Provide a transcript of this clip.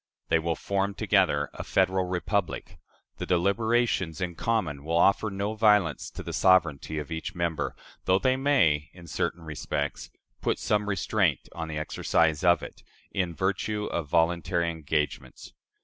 They will form together a federal republic: the deliberations in common will offer no violence to the sovereignty of each member, though they may, in certain respects, put some restraint on the exercise of it, in virtue of voluntary engagements.